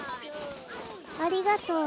ありがとう。